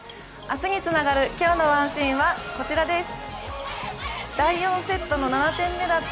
明日にツナガル今日の１シーンはこちらです。